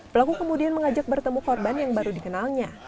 pelaku kemudian mengajak bertemu korban yang baru dikenalnya